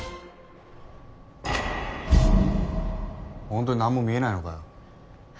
ホントに何も見えないのかよ。